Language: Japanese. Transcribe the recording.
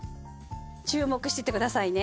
注目しててくださいね。